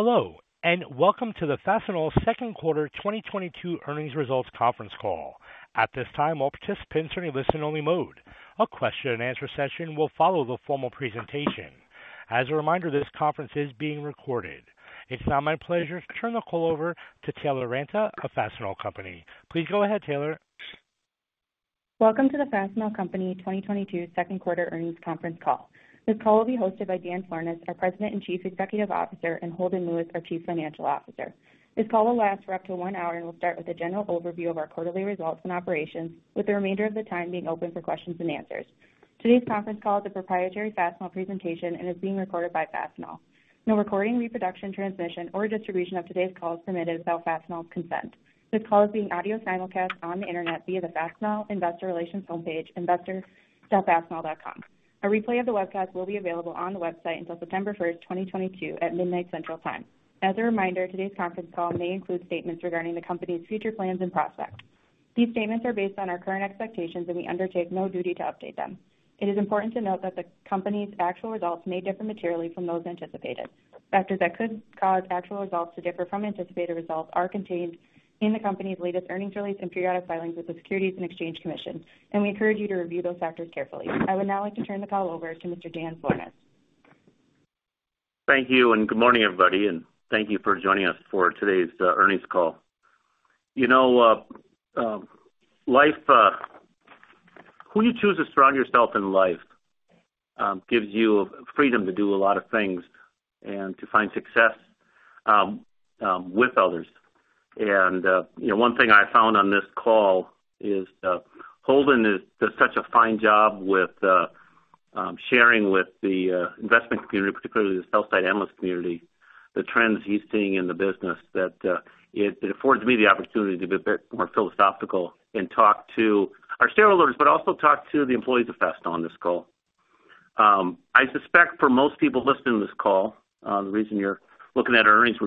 Hello, and welcome to the Fastenal second quarter 2022 earnings results conference call. At this time, all participants are in listen only mode. A question and answer session will follow the formal presentation. As a reminder, this conference is being recorded. It's now my pleasure to turn the call over to Taylor Ranta of Fastenal Company. Please go ahead, Taylor. Welcome to the Fastenal Company 2022 second quarter earnings conference call. This call will be hosted by Dan Florness, our President and Chief Executive Officer, and Holden Lewis, our Chief Financial Officer. This call will last for up to one hour and will start with a general overview of our quarterly results and operations, with the remainder of the time being open for questions and answers. Today's conference call is a proprietary Fastenal presentation and is being recorded by Fastenal. No recording, reproduction, transmission, or distribution of today's call is permitted without Fastenal's consent. This call is being audio simulcast on the internet via the Fastenal investor relations homepage, investor.fastenal.com. A replay of the webcast will be available on the website until September 1st, 2022 at midnight Central Time. As a reminder, today's conference call may include statements regarding the company's future plans and prospects. These statements are based on our current expectations and we undertake no duty to update them. It is important to note that the company's actual results may differ materially from those anticipated. Factors that could cause actual results to differ from anticipated results are contained in the company's latest earnings release and periodic filings with the Securities and Exchange Commission, and we encourage you to review those factors carefully. I would now like to turn the call over to Mr. Dan Florness. Thank you and good morning, everybody, and thank you for joining us for today's earnings call. You know, life, who you choose to surround yourself in life, gives you freedom to do a lot of things and to find success with others. You know, one thing I found on this call is, Holden does such a fine job with sharing with the investment community, particularly the sell side analyst community, the trends he's seeing in the business that it affords me the opportunity to be a bit more philosophical and talk to our shareholders, but also talk to the employees of Fastenal on this call. I suspect for most people listening to this call, the reason you're looking at our earnings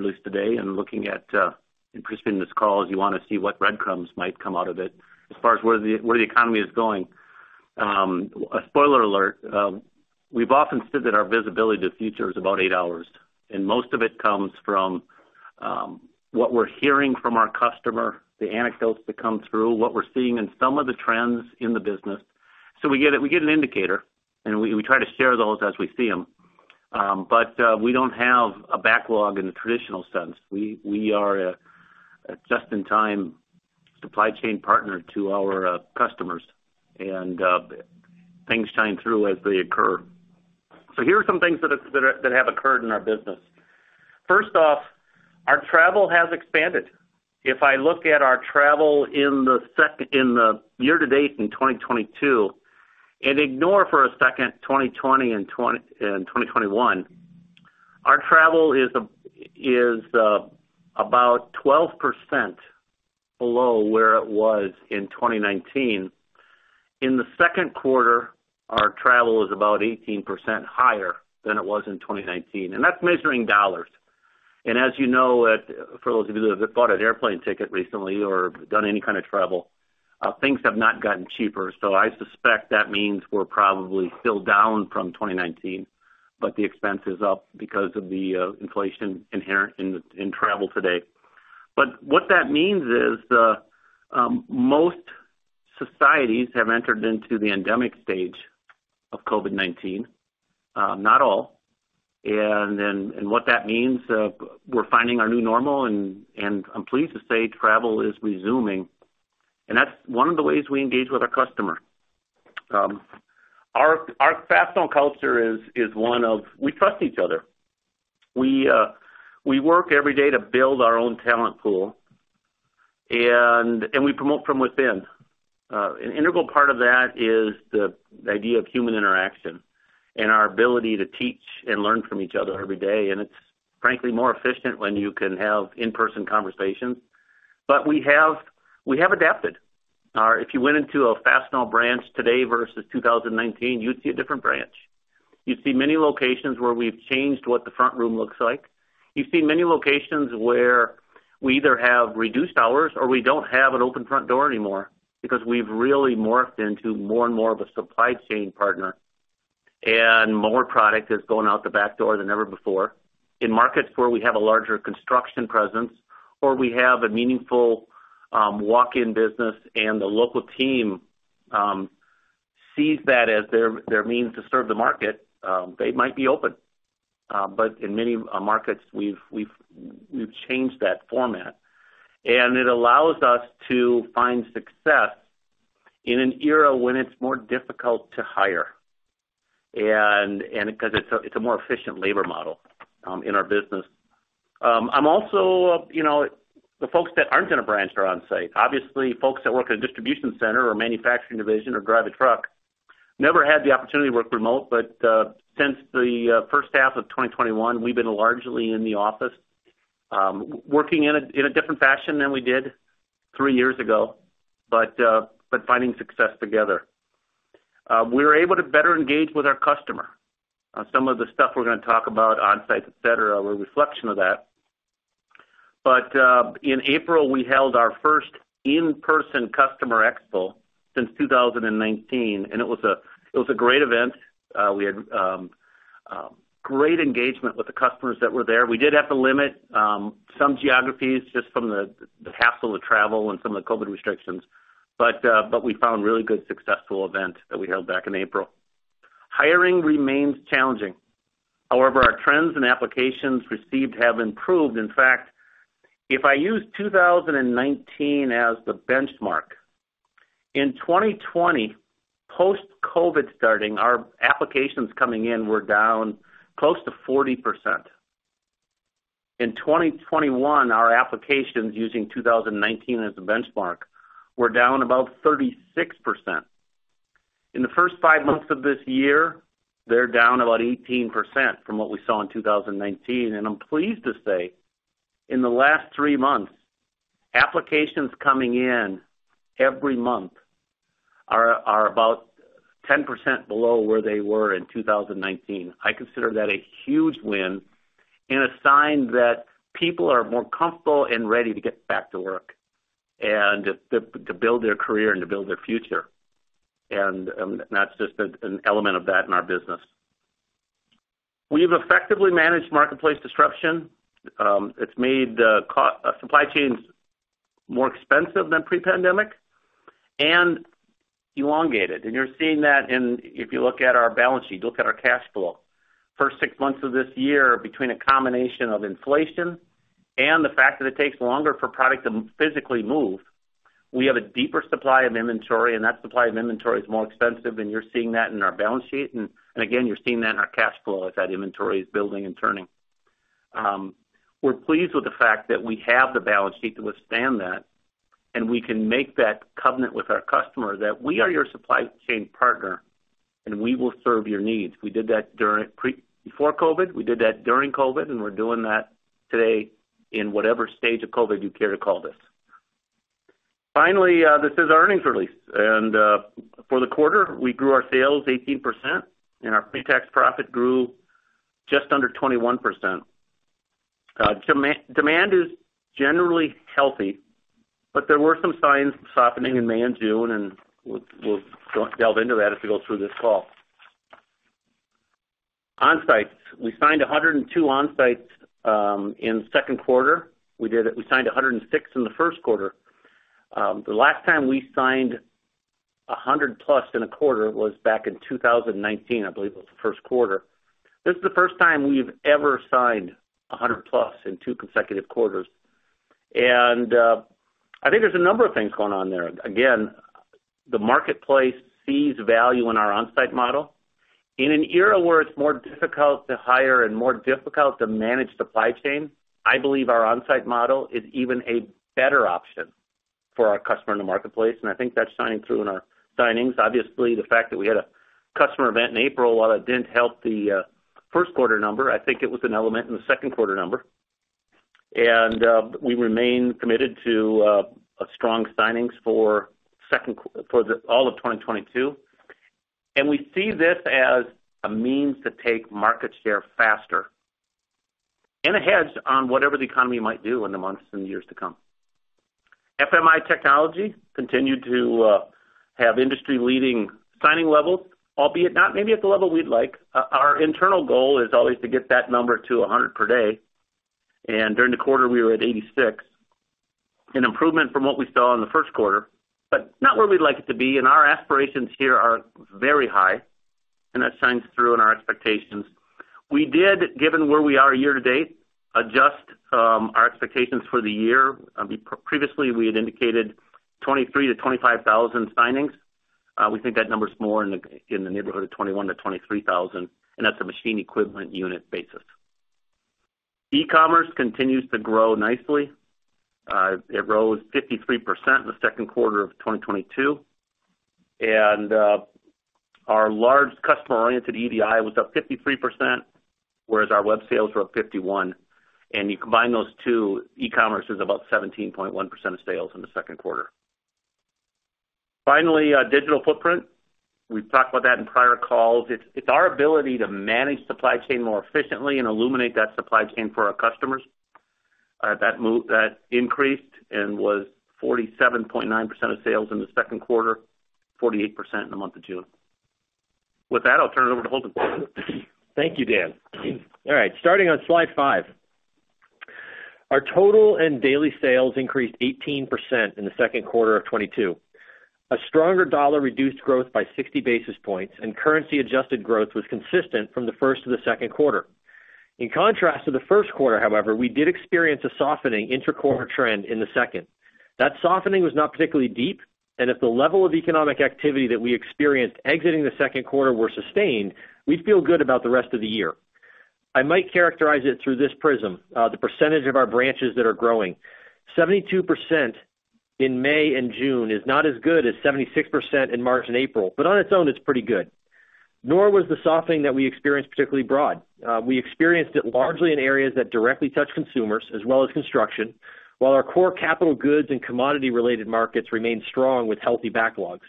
release today and looking at and participating in this call is you wanna see what breadcrumbs might come out of it as far as where the economy is going. A spoiler alert, we've often said that our visibility to the future is about eight hours, and most of it comes from what we're hearing from our customer, the anecdotes that come through, what we're seeing in some of the trends in the business. We get an indicator, and we try to share those as we see them. We don't have a backlog in the traditional sense. We are a just-in-time supply chain partner to our customers and things shine through as they occur. Here are some things that have occurred in our business. First off, our travel has expanded. If I look at our travel in the year to date in 2022 and ignore for a second 2020 and 2021, our travel is about 12% below where it was in 2019. In the second quarter, our travel is about 18% higher than it was in 2019, and that's measuring dollars. As you know, for those of you that have bought an airplane ticket recently or done any kind of travel, things have not gotten cheaper. I suspect that means we're probably still down from 2019, but the expense is up because of the inflation inherent in travel today. What that means is, most societies have entered into the endemic stage of COVID-19, not all. What that means, we're finding our new normal and I'm pleased to say travel is resuming. That's one of the ways we engage with our customer. Our Fastenal culture is one of we trust each other. We work every day to build our own talent pool and we promote from within. An integral part of that is the idea of human interaction and our ability to teach and learn from each other every day. It's frankly more efficient when you can have in-person conversations. We have adapted. If you went into a Fastenal branch today versus 2019, you'd see a different branch. You'd see many locations where we've changed what the front room looks like. You'd see many locations where we either have reduced hours or we don't have an open front door anymore because we've really morphed into more and more of a supply chain partner, and more product is going out the back door than ever before. In markets where we have a larger construction presence, or we have a meaningful walk-in business and the local team sees that as their means to serve the market, they might be open. In many markets, we've changed that format, and it allows us to find success in an era when it's more difficult to hire and cause it's a more efficient labor model in our business. I'm also, you know, the folks that aren't in a branch are on-site. Obviously, folks that work at a distribution center or manufacturing division or drive a truck never had the opportunity to work remote. Since the first half of 2021, we've been largely in the office, working in a different fashion than we did three years ago, but finding success together. We're able to better engage with our customer on some of the stuff we're gonna talk about on-sites, et cetera, a reflection of that. In April, we held our first in-person customer expo since 2019, and it was a great event. We had great engagement with the customers that were there. We did have to limit some geographies just from the hassle of travel and some of the COVID restrictions. We found really good successful event that we held back in April. Hiring remains challenging. However, our trends and applications received have improved. In fact, if I use 2019 as the benchmark, in 2020, post-COVID starting, our applications coming in were down close to 40%. In 2021, our applications, using 2019 as a benchmark, were down about 36%. In the first five months of this year, they're down about 18% from what we saw in 2019. I'm pleased to say, in the last three months, applications coming in every month are about 10% below where they were in 2019. I consider that a huge win and a sign that people are more comfortable and ready to get back to work and to build their career and to build their future. That's just an element of that in our business. We've effectively managed marketplace disruption. It's made the supply chains more expensive than pre-pandemic and elongated. You're seeing that if you look at our balance sheet, look at our cash flow. First six months of this year between a combination of inflation and the fact that it takes longer for product to physically move, we have a deeper supply of inventory, and that supply of inventory is more expensive, and you're seeing that in our balance sheet. And again, you're seeing that in our cash flow as that inventory is building and turning. We're pleased with the fact that we have the balance sheet to withstand that, and we can make that covenant with our customer that we are your supply chain partner, and we will serve your needs. We did that during before COVID, we did that during COVID, and we're doing that today in whatever stage of COVID you care to call this. Finally, this is our earnings release. For the quarter, we grew our sales 18%, and our pretax profit grew just under 21%. Demand is generally healthy, but there were some signs of softening in May and June, and we'll delve into that as we go through this call. On-sites. We signed 102 on-sites in second quarter. We signed 106 in the first quarter. The last time we signed 100+ in a quarter was back in 2019, I believe it was the first quarter. This is the first time we've ever signed 100+ in two consecutive quarters. I think there's a number of things going on there. Again, the marketplace sees value in our on-site model. In an era where it's more difficult to hire and more difficult to manage supply chain, I believe our on-site model is even a better option for our customer in the marketplace, and I think that's shining through in our signings. Obviously, the fact that we had a customer event in April, while it didn't help the first quarter number, I think it was an element in the second quarter number. We remain committed to strong signings for all of 2022. We see this as a means to take market share faster and a hedge on whatever the economy might do in the months and years to come. FMI technology continued to have industry-leading signing levels, albeit not maybe at the level we'd like. Our internal goal is always to get that number to 100 per day. During the quarter, we were at 86. An improvement from what we saw in the first quarter, but not where we'd like it to be, and our aspirations here are very high, and that shines through in our expectations. We did, given where we are year to date, adjust our expectations for the year. Previously, we had indicated 23,000-25,000 signings. We think that number is more in the neighborhood of 21,000-23,000, and that's a machine equivalent unit basis. E-commerce continues to grow nicely. It rose 53% in the second quarter of 2022. Our large customer-oriented EDI was up 53%, whereas our web sales were up 51%. You combine those two, e-commerce is about 17.1% of sales in the second quarter. Finally, our digital footprint, we've talked about that in prior calls. It's our ability to manage supply chain more efficiently and illuminate that supply chain for our customers. That increased and was 47.9% of sales in the second quarter, 48% in the month of June. With that, I'll turn it over to Holden. Thank you, Dan. All right, starting on slide five. Our total and daily sales increased 18% in the second quarter of 2022. A stronger dollar reduced growth by 60 basis points, and currency-adjusted growth was consistent from the first to the second quarter. In contrast to the first quarter, however, we did experience a softening inter-quarter trend in the second. That softening was not particularly deep, and if the level of economic activity that we experienced exiting the second quarter were sustained, we'd feel good about the rest of the year. I might characterize it through this prism, the percentage of our branches that are growing. 72% in May and June is not as good as 76% in March and April, but on its own, it's pretty good. Nor was the softening that we experienced particularly broad. We experienced it largely in areas that directly touch consumers as well as construction, while our core capital goods and commodity-related markets remained strong with healthy backlogs.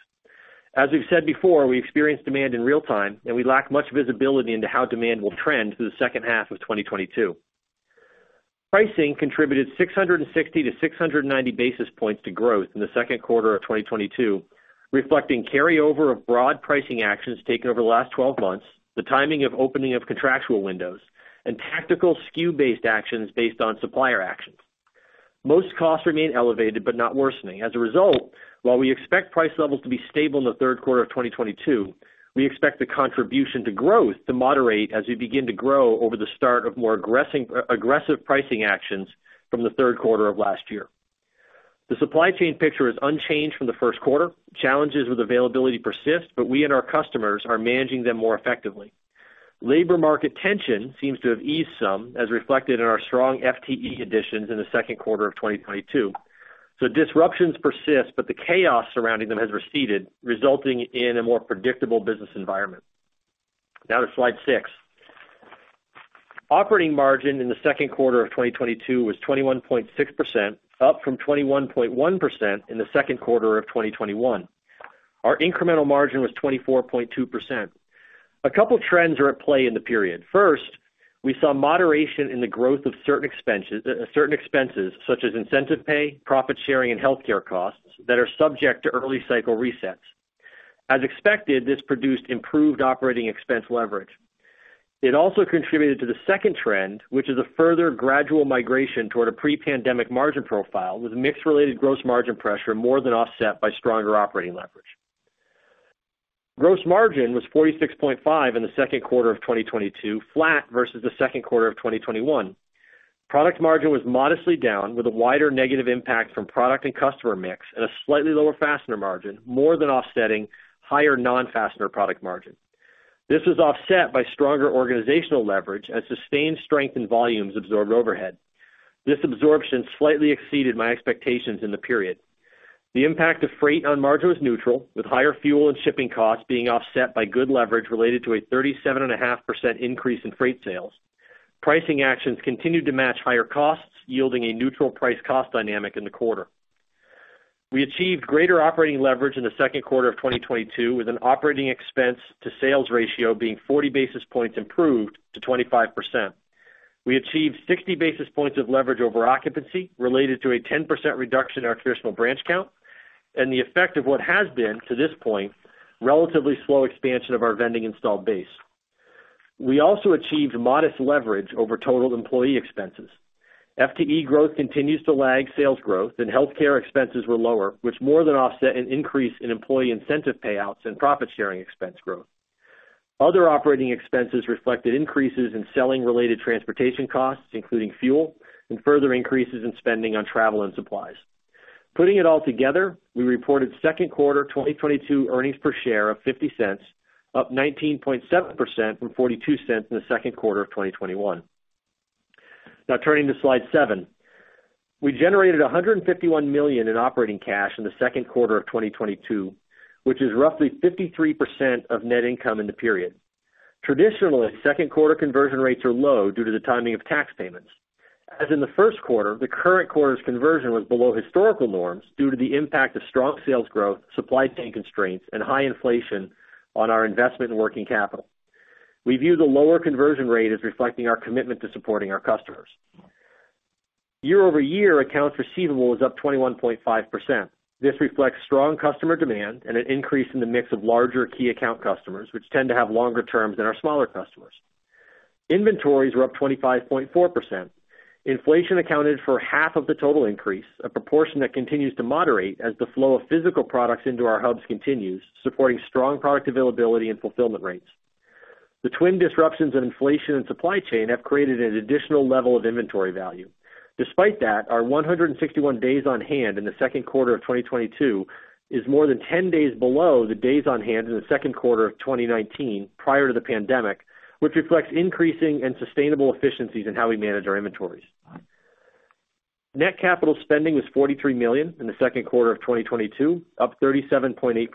We've said before, we experience demand in real time, and we lack much visibility into how demand will trend through the second half of 2022. Pricing contributed 660-690 basis points to growth in the second quarter of 2022, reflecting carryover of broad pricing actions taken over the last twelve months, the timing of opening of contractual windows and tactical SKU-based actions based on supplier actions. Most costs remain elevated but not worsening. As a result, while we expect price levels to be stable in the third quarter of 2022, we expect the contribution to growth to moderate as we begin to grow over the start of more aggressive pricing actions from the third quarter of last year. The supply chain picture is unchanged from the first quarter. Challenges with availability persist, but we and our customers are managing them more effectively. Labor market tension seems to have eased some, as reflected in our strong FTE additions in the second quarter of 2022. Disruptions persist, but the chaos surrounding them has receded, resulting in a more predictable business environment. Now to slide six. Operating margin in the second quarter of 2022 was 21.6%, up from 21.1% in the second quarter of 2021. Our incremental margin was 24.2%. A couple trends are at play in the period. First, we saw moderation in the growth of certain expenses such as incentive pay, profit sharing, and healthcare costs that are subject to early cycle resets. As expected, this produced improved operating expense leverage. It also contributed to the second trend, which is a further gradual migration toward a pre-pandemic margin profile with mix-related gross margin pressure more than offset by stronger operating leverage. Gross margin was 46.5% in the second quarter of 2022, flat versus the second quarter of 2021. Product margin was modestly down with a wider negative impact from product and customer mix at a slightly lower fastener margin, more than offsetting higher non-fastener product margin. This was offset by stronger organizational leverage as sustained strength and volumes absorbed overhead. This absorption slightly exceeded my expectations in the period. The impact of freight on margin was neutral, with higher fuel and shipping costs being offset by good leverage related to a 37.5% increase in freight sales. Pricing actions continued to match higher costs, yielding a neutral price cost dynamic in the quarter. We achieved greater operating leverage in the second quarter of 2022, with an operating expense to sales ratio being 40 basis points improved to 25%. We achieved 60 basis points of leverage over occupancy related to a 10% reduction in our traditional branch count and the effect of what has been, to this point, relatively slow expansion of our vending installed base. We also achieved modest leverage over total employee expenses. FTE growth continues to lag sales growth, and healthcare expenses were lower, which more than offset an increase in employee incentive payouts and profit-sharing expense growth. Other operating expenses reflected increases in selling-related transportation costs, including fuel, and further increases in spending on travel and supplies. Putting it all together, we reported second quarter 2022 earnings per share of $0.50, up 19.7% from $0.42 in the second quarter of 2021. Now turning to slide seven. We generated $151 million in operating cash in the second quarter of 2022, which is roughly 53% of net income in the period. Traditionally, second quarter conversion rates are low due to the timing of tax payments. As in the first quarter, the current quarter's conversion was below historical norms due to the impact of strong sales growth, supply chain constraints, and high inflation on our investment in working capital. We view the lower conversion rate as reflecting our commitment to supporting our customers. Year-over-year, accounts receivable is up 21.5%. This reflects strong customer demand and an increase in the mix of larger key account customers, which tend to have longer terms than our smaller customers. Inventories were up 25.4%. Inflation accounted for half of the total increase, a proportion that continues to moderate as the flow of physical products into our hubs continues, supporting strong product availability and fulfillment rates. The twin disruptions of inflation and supply chain have created an additional level of inventory value. Despite that, our 161 days on hand in the second quarter of 2022 is more than 10 days below the days on hand in the second quarter of 2019, prior to the pandemic, which reflects increasing and sustainable efficiencies in how we manage our inventories. Net capital spending was $43 million in the second quarter of 2022, up 37.8%.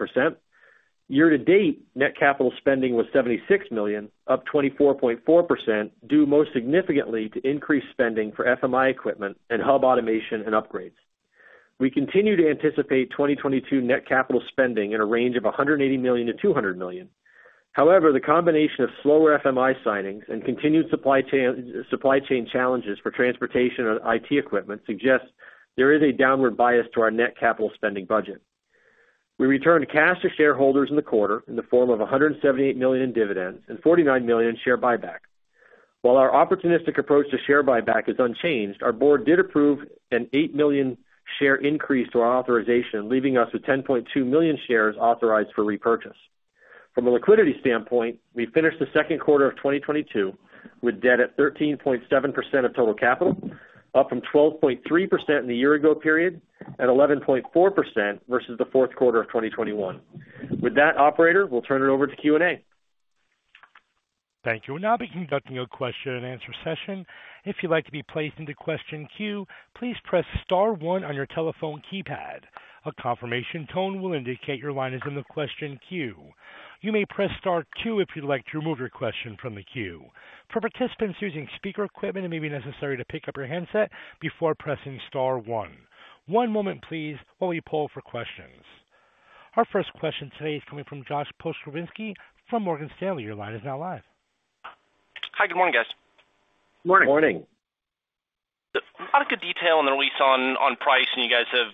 Year to date, net capital spending was $76 million, up 24.4%, due most significantly to increased spending for FMI equipment and hub automation and upgrades. We continue to anticipate 2022 net capital spending in a range of $180 million-$200 million. However, the combination of slower FMI signings and continued supply chain challenges for transportation or IT equipment suggests there is a downward bias to our net capital spending budget. We returned cash to shareholders in the quarter in the form of $178 million in dividends and $49 million in share buyback. While our opportunistic approach to share buyback is unchanged, our board did approve an 8 million shares increase to our authorization, leaving us with 10.2 million shares authorized for repurchase. From a liquidity standpoint, we finished the second quarter of 2022 with debt at 13.7% of total capital, up from 12.3% in the year ago period, at 11.4% versus the fourth quarter of 2021. With that, operator, we'll turn it over to Q&A. Thank you. We'll now be conducting a question and answer session. If you'd like to be placed into question queue, please press star one on your telephone keypad. A confirmation tone will indicate your line is in the question queue. You may press star two if you'd like to remove your question from the queue. For participants using speaker equipment, it may be necessary to pick up your handset before pressing star one. One moment please while we poll for questions. Our first question today is coming from Josh Pokrzywinski from Morgan Stanley. Your line is now live. Hi, good morning, guys. Morning. Morning. A lot of good detail in the release on price. You guys have,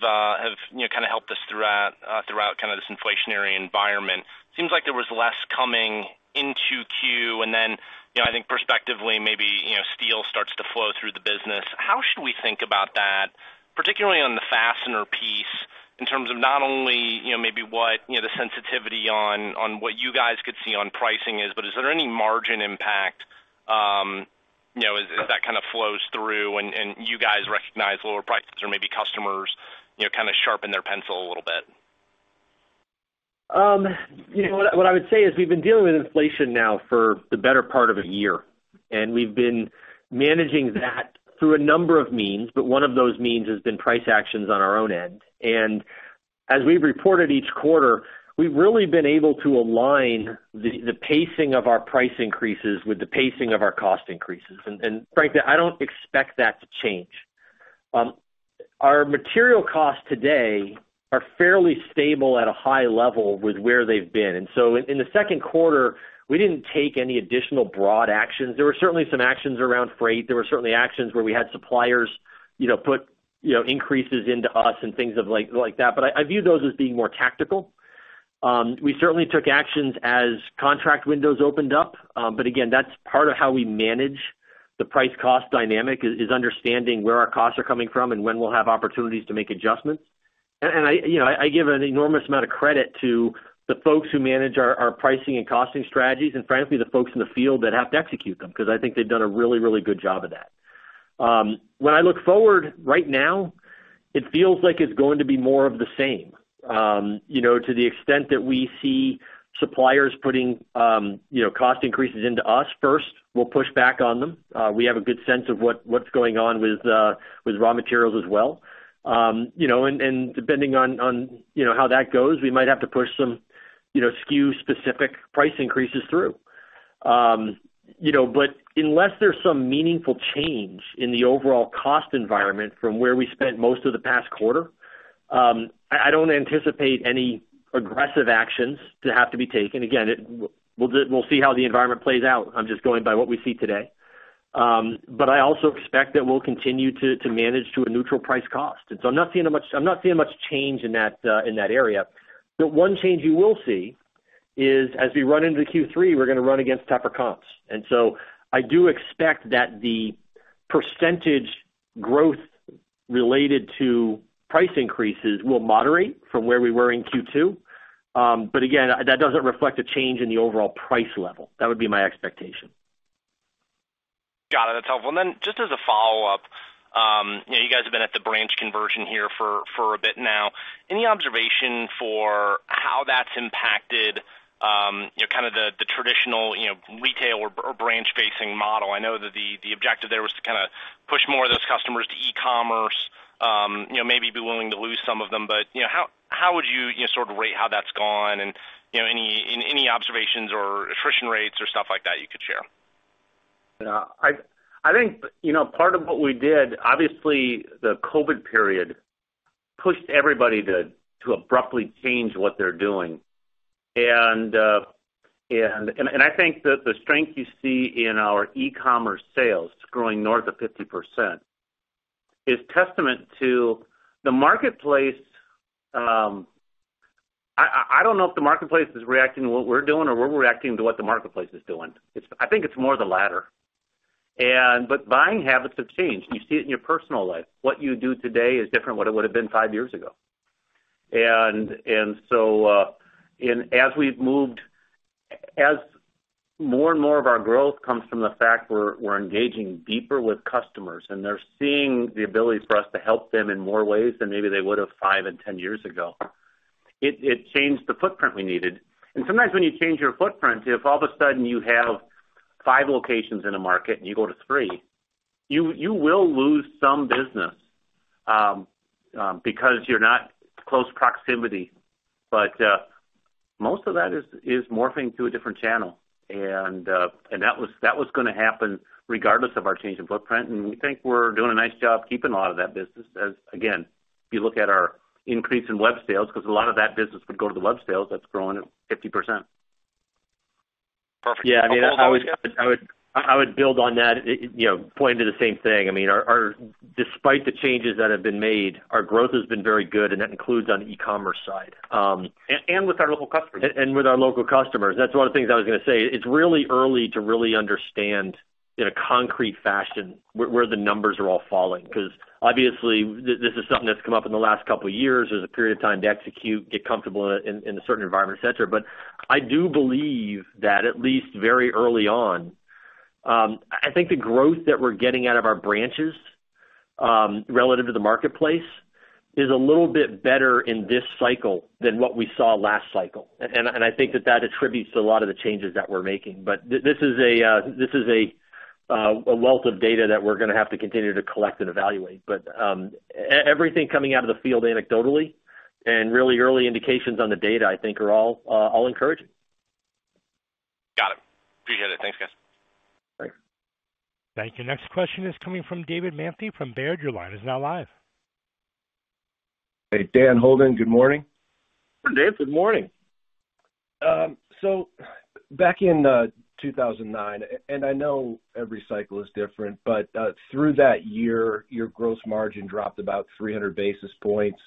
you know, kind of helped us throughout kind of this inflationary environment. Seems like there was less coming in 2Q. Then, you know, I think prospectively, maybe, you know, steel starts to flow through the business. How should we think about that, particularly on the fastener piece, in terms of not only, you know, maybe what, you know, the sensitivity on what you guys could see on pricing is, but is there any margin impact, you know, as that kind of flows through and you guys recognize lower prices or maybe customers, you know, kind of sharpen their pencil a little bit? You know, what I would say is we've been dealing with inflation now for the better part of a year, and we've been managing that through a number of means. One of those means has been price actions on our own end. As we've reported each quarter, we've really been able to align the pacing of our price increases with the pacing of our cost increases. And frankly, I don't expect that to change. Our material costs today are fairly stable at a high level with where they've been. In the second quarter, we didn't take any additional broad actions. There were certainly some actions around freight. There were certainly actions where we had suppliers, you know, put increases into us and things like that, but I view those as being more tactical. We certainly took actions as contract windows opened up, but again, that's part of how we manage the price cost dynamic, is understanding where our costs are coming from and when we'll have opportunities to make adjustments. I, you know, I give an enormous amount of credit to the folks who manage our pricing and costing strategies, and frankly, the folks in the field that have to execute them, cause I think they've done a really, really good job of that. When I look forward right now, it feels like it's going to be more of the same. You know, to the extent that we see suppliers putting cost increases into us first, we'll push back on them. We have a good sense of what's going on with raw materials as well. You know, depending on how that goes, we might have to push some you know, SKU specific price increases through. You know, unless there's some meaningful change in the overall cost environment from where we spent most of the past quarter, I don't anticipate any aggressive actions to have to be taken. Again, we'll see how the environment plays out. I'm just going by what we see today. I also expect that we'll continue to manage to a neutral price cost. I'm not seeing much change in that area. The one change you will see is as we run into Q3, we're gonna run against tougher comps. I do expect that the percentage growth related to price increases will moderate from where we were in Q2. Again, that doesn't reflect a change in the overall price level. That would be my expectation. Got it. That's helpful. Just as a follow-up, you know, you guys have been at the branch conversion here for a bit now. Any observation for how that's impacted, you know, kind of the traditional, you know, retail or branch facing model? I know that the objective there was to kind of push more of those customers to e-commerce, you know, maybe be willing to lose some of them, but, you know, how would you know, sort of rate how that's gone and, you know, any observations or attrition rates or stuff like that you could share? Yeah. I think, you know, part of what we did, obviously the COVID period pushed everybody to abruptly change what they're doing. I think that the strength you see in our e-commerce sales growing north of 50% is testament to the marketplace. I don't know if the marketplace is reacting to what we're doing or we're reacting to what the marketplace is doing. I think it's more the latter. Buying habits have changed, and you see it in your personal life. What you do today is different, what it would have been five years ago. As more and more of our growth comes from the fact we're engaging deeper with customers and they're seeing the ability for us to help them in more ways than maybe they would have five and 10 years ago, it changed the footprint we needed. Sometimes when you change your footprint, if all of a sudden you have five locations in a market and you go to three, you will lose some business because you're not close proximity. Most of that is morphing to a different channel. That was gonna happen regardless of our change in footprint, and we think we're doing a nice job keeping a lot of that business as, again, if you look at our increase in web sales, cause a lot of that business would go to the web sales that's growing at 50%. Perfect. Yeah. I mean, I would build on that, you know, pointing to the same thing. I mean, despite the changes that have been made, our growth has been very good, and that includes on the e-commerce side. And with our local customers. With our local customers. That's one of the things I was gonna say. It's really early to really understand in a concrete fashion where the numbers are all falling, cause obviously this is something that's come up in the last couple of years. There's a period of time to execute, get comfortable in a certain environment, et cetera. I do believe that at least very early on, I think the growth that we're getting out of our branches relative to the marketplace is a little bit better in this cycle than what we saw last cycle. I think that attributes to a lot of the changes that we're making. This is a this is a wealth of data that we're gonna have to continue to collect and evaluate. Everything coming out of the field anecdotally and really early indications on the data, I think are all encouraging. Got it. Appreciate it. Thanks, guys. Thanks. Thank you. Next question is coming from David Manthey from Baird. Your line is now live. Hey, Dan, Holden. Good morning. Dave, good morning. Back in 2009, I know every cycle is different, but through that year, your gross margin dropped about 300 basis points.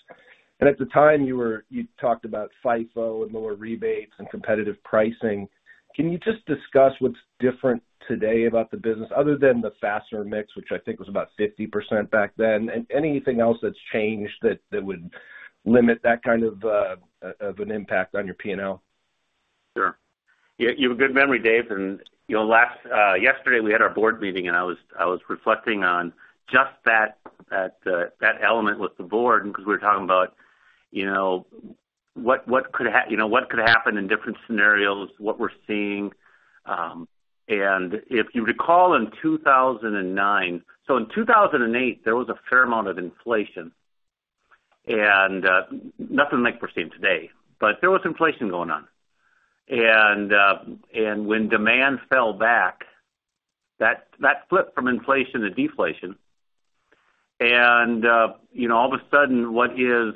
At the time, you talked about FIFO and lower rebates and competitive pricing. Can you just discuss what's different today about the business other than the fastener mix, which I think was about 50% back then, and anything else that's changed that would limit that kind of of an impact on your P&L? Sure. You have a good memory, Dave, and you know, just yesterday we had our board meeting, and I was reflecting on just that element with the board because we were talking about you know, what could happen in different scenarios, what we're seeing. If you recall, in 2009. In 2008, there was a fair amount of inflation and nothing like we're seeing today, but there was inflation going on. When demand fell back, that flipped from inflation to deflation. You know, all of a sudden, what is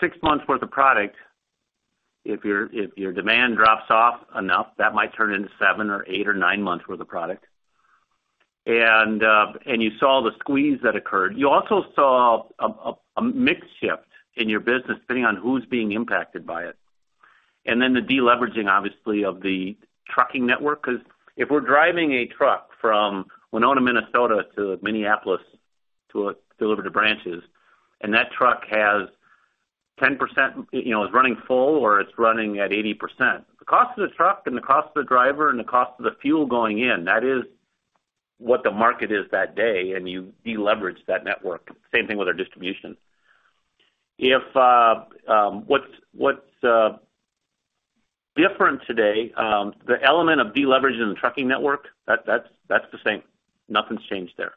six months worth of product, if your demand drops off enough, that might turn into seven or eight or nine months worth of product. You saw the squeeze that occurred. You also saw a mix shift in your business depending on who's being impacted by it. The deleveraging, obviously, of the trucking network, because if we're driving a truck from Winona, Minnesota, to Minneapolis to deliver to branches, and that truck has 10%, you know, is running full or it's running at 80%, the cost of the truck and the cost of the driver and the cost of the fuel going in, that is what the market is that day, and you deleverage that network. Same thing with our distribution. What's different today, the element of deleveraging the trucking network, that's the same. Nothing's changed there.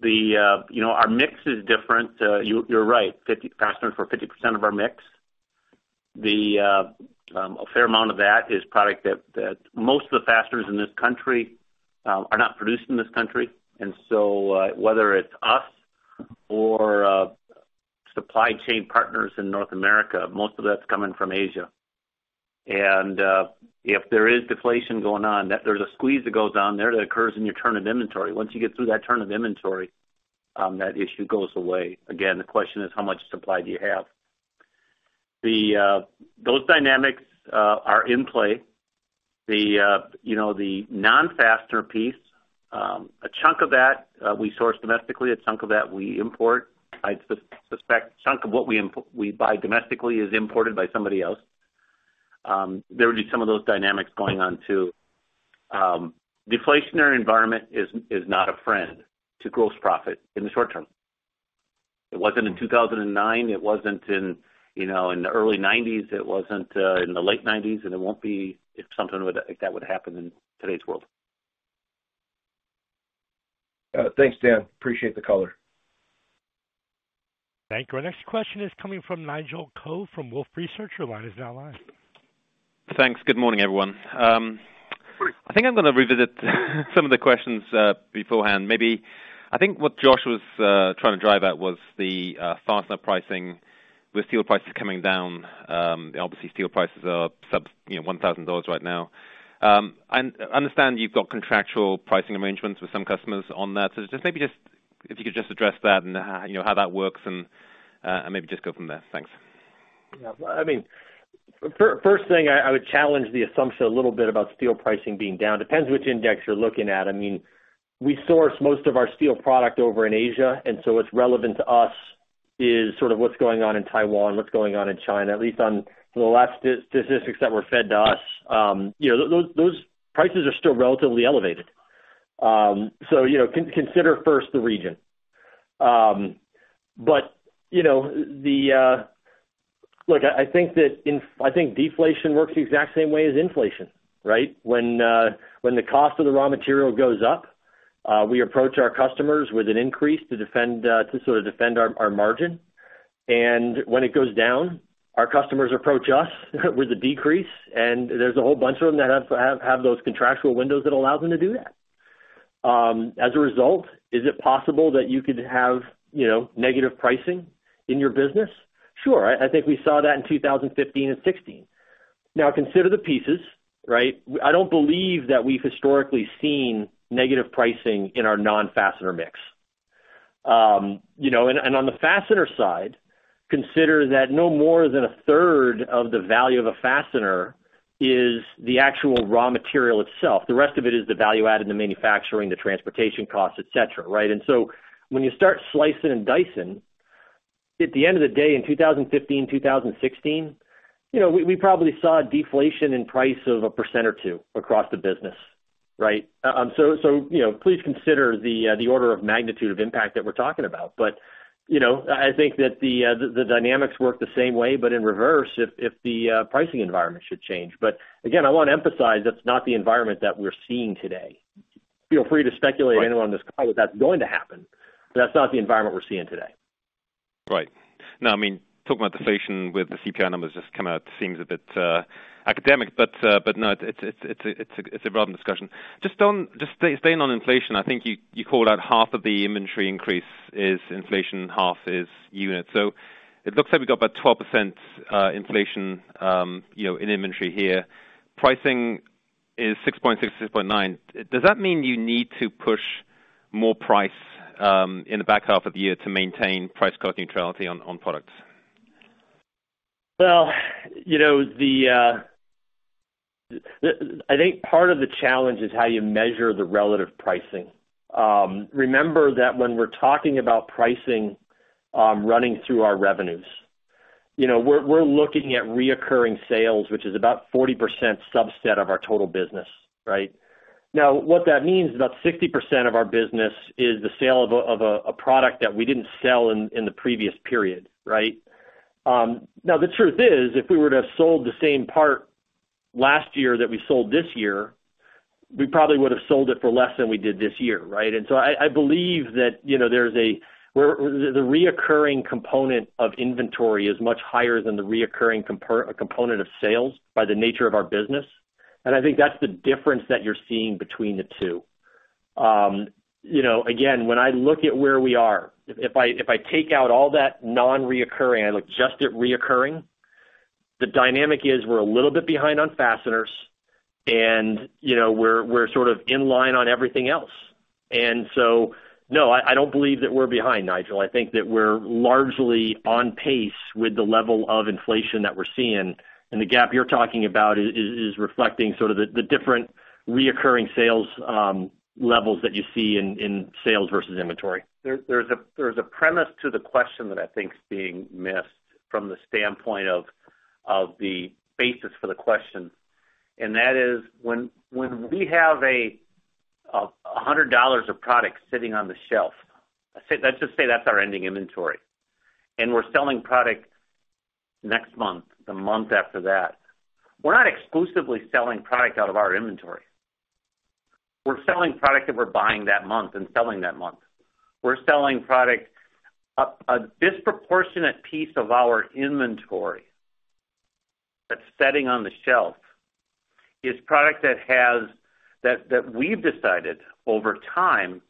You know, our mix is different. You're right, fasteners for 50% of our mix. A fair amount of that is product that most of the fasteners in this country are not produced in this country. Whether it's us or supply chain partners in North America, most of that's coming from Asia. If there is deflation going on, that there's a squeeze that goes on there that occurs in your turn of inventory. Once you get through that turn of inventory, that issue goes away. Again, the question is how much supply do you have? Those dynamics are in play. You know, the non-fastener piece, a chunk of that we source domestically, a chunk of that we import. I suspect chunk of what we buy domestically is imported by somebody else. There would be some of those dynamics going on, too. Deflationary environment is not a friend to gross profit in the short term. It wasn't in 2009. It wasn't, you know, in the early 1990s. It wasn't in the late 1990s, and it won't be if something like that would happen in today's world. Thanks, Dan. Appreciate the color. Thank you. Our next question is coming from Nigel Coe from Wolfe Research. Your line is now live. Thanks. Good morning, everyone. Good morning. I think I'm gonna revisit some of the questions beforehand. Maybe I think what Josh was trying to drive at was the fastener pricing with steel prices coming down. Obviously steel prices are sub $1,000 right now. I understand you've got contractual pricing arrangements with some customers on that. Just maybe if you could just address that and you know how that works and maybe just go from there. Thanks. Yeah. I mean, first thing, I would challenge the assumption a little bit about steel pricing being down. Depends which index you're looking at. I mean, we source most of our steel product over in Asia, and so what's relevant to us is sort of what's going on in Taiwan, what's going on in China, at least on the last statistics that were fed to us. Those prices are still relatively elevated. Consider first the region. Look, I think deflation works the exact same way as inflation, right? When the cost of the raw material goes up, we approach our customers with an increase to defend, to sort of defend our margin. When it goes down, our customers approach us with a decrease, and there's a whole bunch of them that have those contractual windows that allow them to do that. As a result, is it possible that you could have, you know, negative pricing in your business? Sure. I think we saw that in 2015 and 2016. Now consider the pieces, right? I don't believe that we've historically seen negative pricing in our non-fastener mix. You know, and on the fastener side, consider that no more than 1/3 of the value of a fastener is the actual raw material itself. The rest of it is the value add in the manufacturing, the transportation costs, et cetera, right? When you start slicing and dicing, at the end of the day, in 2015, 2016, you know, we probably saw deflation in price of 1% or 2% across the business, right? You know, please consider the order of magnitude of impact that we're talking about. You know, I think that the dynamics work the same way, but in reverse if the pricing environment should change. Again, I wanna emphasize that's not the environment that we're seeing today. Feel free to speculate anyone on this call that that's going to happen, but that's not the environment we're seeing today. Right. Now, I mean, talking about deflation with the CPI numbers just come out seems a bit academic, but no, it's a relevant discussion. Just staying on inflation, I think you called out half of the inventory increase is inflation, half is unit. So it looks like we've got about 12% inflation, you know, in inventory here. Pricing is 6.6%, 6.9%. Does that mean you need to push more price in the back half of the year to maintain price cost neutrality on products? Well, you know, I think part of the challenge is how you measure the relative pricing. Remember that when we're talking about pricing, running through our revenues, you know, we're looking at recurring sales, which is about 40% subset of our total business, right? Now, what that means is about 60% of our business is the sale of a product that we didn't sell in the previous period, right? Now, the truth is, if we were to have sold the same part last year that we sold this year, we probably would have sold it for less than we did this year, right? I believe that, you know, there's a recurring component of inventory is much higher than the recurring component of sales by the nature of our business. I think that's the difference that you're seeing between the two. You know, again, when I look at where we are, if I take out all that non-recurring, I look just at recurring, the dynamic is we're a little bit behind on fasteners and, you know, we're sort of in line on everything else. No, I don't believe that we're behind, Nigel. I think that we're largely on pace with the level of inflation that we're seeing. The gap you're talking about is reflecting sort of the different recurring sales levels that you see in sales versus inventory. There's a premise to the question that I think is being missed from the standpoint of the basis for the question. That is when we have $100 of product sitting on the shelf, let's just say that's our ending inventory, and we're selling product next month, the month after that. We're not exclusively selling product out of our inventory. We're selling product that we're buying that month and selling that month. We're selling product. A disproportionate piece of our inventory that's sitting on the shelf is product that we've decided over time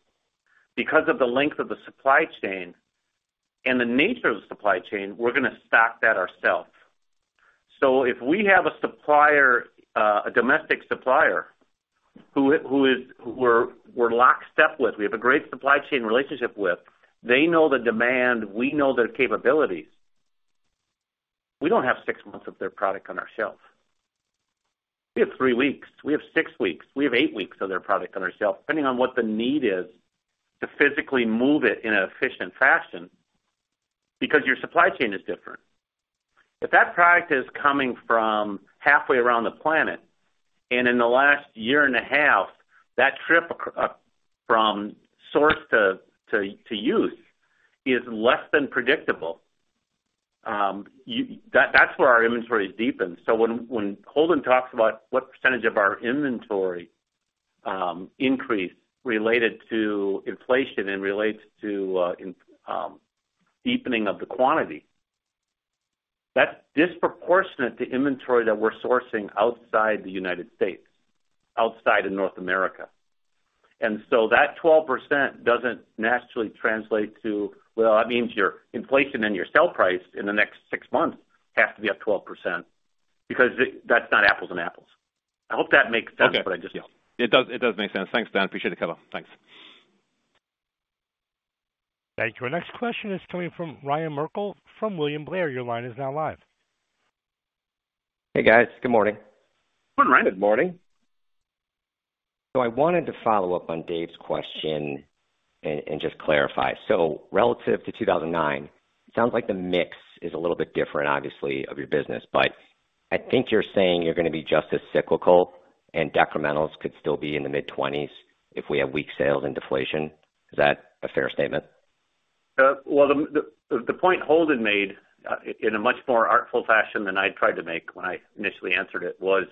because of the length of the supply chain and the nature of the supply chain, we're gonna stock that ourself. If we have a supplier, a domestic supplier who we are lockstep with, we have a great supply chain relationship with, they know the demand, we know their capabilities. We don't have six months of their product on our shelf. We have three weeks, we have six weeks, we have eight weeks of their product on our shelf, depending on what the need is to physically move it in an efficient fashion because your supply chain is different. If that product is coming from halfway around the planet, in the last year and a half, that trip across from source to use is less than predictable. That's where our inventory deepens. When Holden talks about what percentage of our inventory increased related to inflation and relates to deepening of the quantity, that's disproportionate to inventory that we're sourcing outside the United States, outside of North America. That 12% doesn't naturally translate to, well, that means your inflation and your sell price in the next six months have to be up 12% because that's not apples and apples. I hope that makes sense what I just Okay. Yeah, it does, it does make sense. Thanks, Dan. Appreciate the color. Thanks. Thank you. Our next question is coming from Ryan Merkel from William Blair. Your line is now live. Hey, guys. Good morning. Good morning. Good morning. I wanted to follow up on Dave's question and just clarify. Relative to 2009, it sounds like the mix is a little bit different, obviously, of your business, but I think you're saying you're gonna be just as cyclical and decrementals could still be in the mid-20% if we have weak sales and deflation. Is that a fair statement? Well, the point Holden made, in a much more artful fashion than I tried to make when I initially answered it, was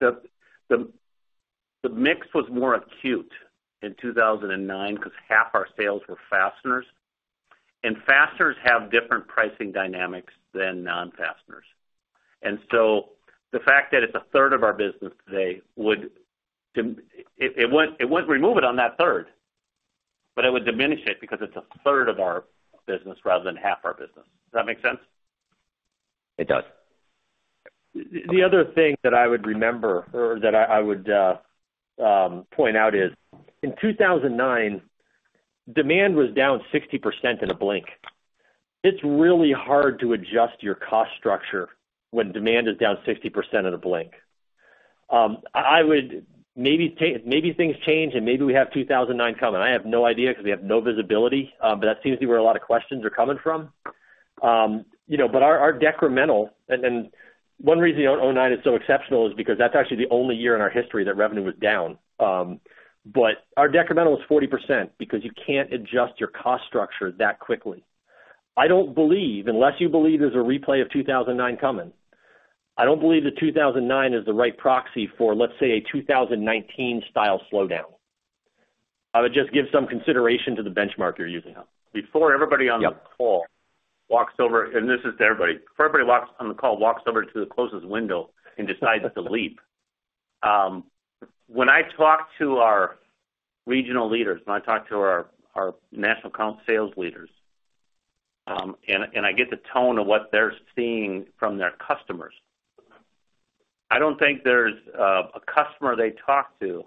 the mix was more acute in 2009 cause half our sales were fasteners, and fasteners have different pricing dynamics than non-fasteners. The fact that it's a third of our business today would diminish it. It wouldn't remove it on that third, but it would diminish it because it's a third of our business rather than half our business. Does that make sense? It does. The other thing that I would remember or that I would point out is in 2009, demand was down 60% in a blink. It's really hard to adjust your cost structure when demand is down 60% in a blink. I would maybe things change, and maybe we have 2009 coming. I have no idea cause we have no visibility, but that seems to be where a lot of questions are coming from. You know, our decremental. One reason why 2009 is so exceptional is because that's actually the only year in our history that revenue was down. Our decremental is 40% because you can't adjust your cost structure that quickly. I don't believe, unless you believe there's a replay of 2009 coming, I don't believe that 2009 is the right proxy for, let's say, a 2019 style slowdown. I would just give some consideration to the benchmark you're using. This is to everybody. Before everybody who's on the call walks over to the closest window and decides to leap. When I talk to our regional leaders, when I talk to our national account sales leaders, and I get the tone of what they're seeing from their customers, I don't think there's a customer they talk to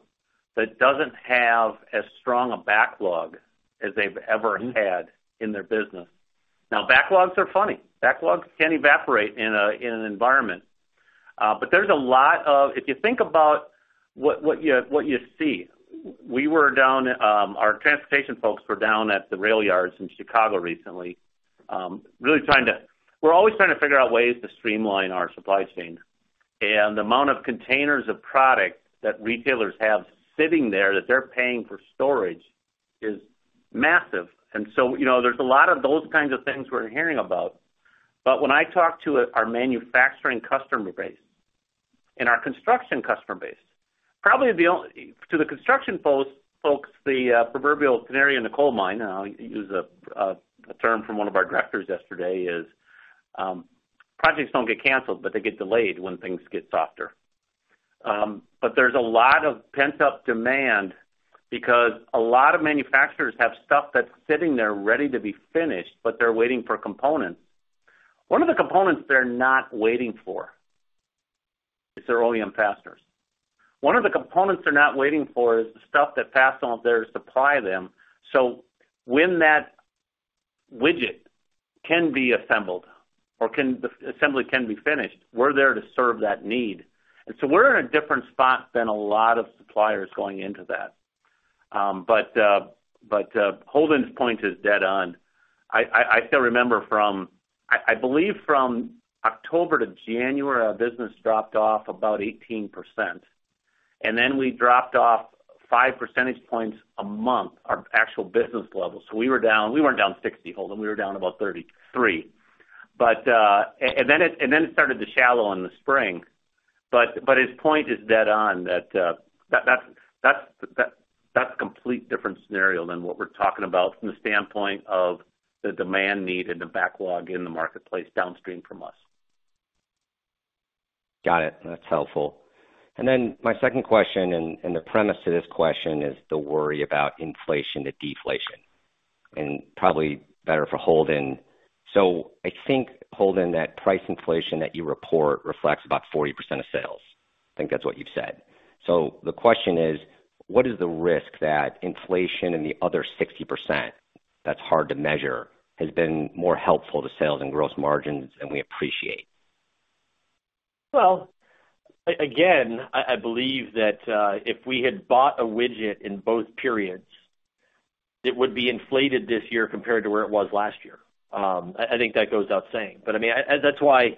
that doesn't have as strong a backlog as they've ever had in their business. Now, backlogs are funny. Backlogs can evaporate in an environment. If you think about what you see, our transportation folks were down at the rail yards in Chicago recently. We're always trying to figure out ways to streamline our supply chain. The amount of containers of product that retailers have sitting there that they're paying for storage is massive. You know, there's a lot of those kinds of things we're hearing about. When I talk to our manufacturing customer base and our construction customer base, to the construction folks, the proverbial canary in the coal mine, to use a term from one of our directors yesterday is, projects don't get canceled, but they get delayed when things get softer. There's a lot of pent-up demand because a lot of manufacturers have stuff that's sitting there ready to be finished, but they're waiting for components. One of the components they're not waiting for is their OEM fasteners. One of the components they're not waiting for is the stuff that Fastenal is there to supply them. When that widget can be assembled or the assembly can be finished, we're there to serve that need. We're in a different spot than a lot of suppliers going into that. Holden's point is dead on. I still remember. I believe from October to January, our business dropped off about 18%, and then we dropped off 5 percentage points a month, our actual business level. We were down, we weren't down 60%, Holden, we were down about 33%. It started to shallow in the spring. His point is dead on that that's a completely different scenario than what we're talking about from the standpoint of the demand need and the backlog in the marketplace downstream from us. Got it. That's helpful. My second question, and the premise to this question is the worry about inflation to deflation, and probably better for Holden. I think, Holden, that price inflation that you report reflects about 40% of sales. I think that's what you've said. The question is: What is the risk that inflation in the other 60% that's hard to measure has been more helpful to sales and gross margins than we appreciate? Well, again, I believe that if we had bought a widget in both periods, it would be inflated this year compared to where it was last year. I think that goes without saying. I mean, that's why,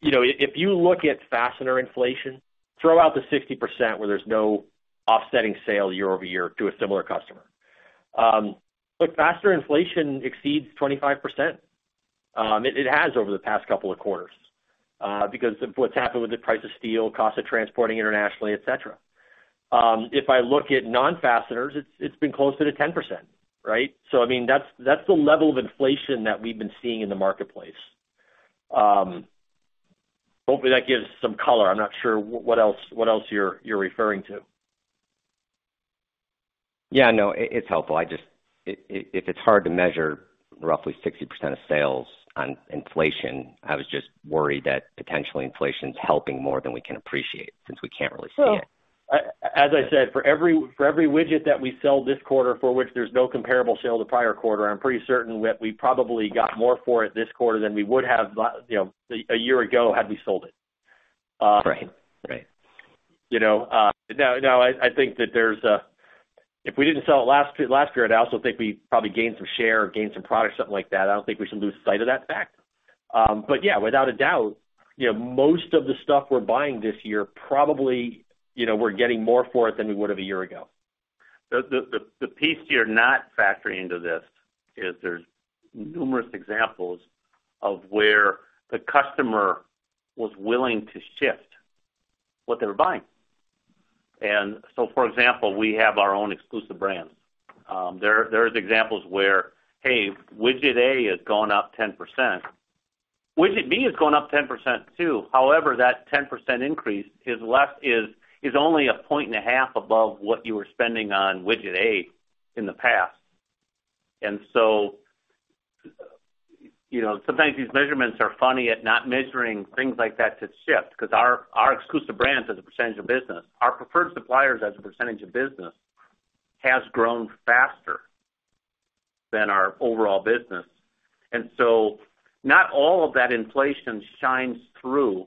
you know, if you look at fastener inflation, throw out the 60% where there's no offsetting sale year-over-year to a similar customer. Fastener inflation exceeds 25%. It has over the past couple of quarters because of what's happened with the price of steel, cost of transporting internationally, et cetera. If I look at non-fasteners, it's been closer to 10%, right? I mean, that's the level of inflation that we've been seeing in the marketplace. Hopefully, that gives some color. I'm not sure what else you're referring to. Yeah, no, it's helpful. I just, if it's hard to measure roughly 60% of sales on inflation, I was just worried that potentially inflation is helping more than we can appreciate since we can't really see it. As I said, for every widget that we sell this quarter for which there's no comparable sale to prior quarter, I'm pretty certain we probably got more for it this quarter than we would have, you know, a year ago had we sold it. Right. Right. You know, now I think that there's. If we didn't sell it last year, I also think we probably gained some share or gained some product, something like that. I don't think we should lose sight of that fact. Yeah, without a doubt, you know, most of the stuff we're buying this year, probably, you know, we're getting more for it than we would have a year ago. The piece you're not factoring into this is there's numerous examples of where the customer was willing to shift what they were buying. For example, we have our own exclusive brands. There is examples where, hey, widget A has gone up 10%. Widget B has gone up 10%, too. However, that 10% increase is less, is only a point and a half above what you were spending on widget A in the past. You know, sometimes these measurements are funny at not measuring things like that to shift because our exclusive brands as a percentage of business, our preferred suppliers as a percentage of business has grown faster than our overall business. Not all of that inflation shines through